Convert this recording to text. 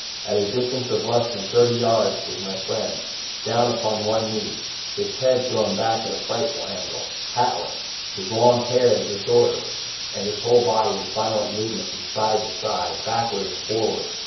At a distance of less than thirty yards was my friend, down upon one knee, his head thrown back at a frightful angle, hatless, his long hair in disorder and his whole body in violent movement from side to side, backward and forward.